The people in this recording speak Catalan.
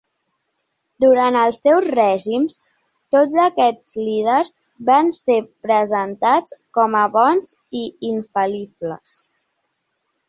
Durant els seus règims, tots aquests líders van ser presentats com a bons i infal·libles.